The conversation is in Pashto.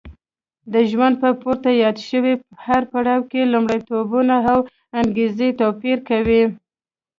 د ژوند په پورته یاد شوي هر پړاو کې لومړیتوبونه او انګېزه توپیر کوي.